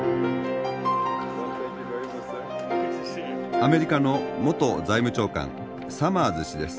アメリカの元財務長官サマーズ氏です。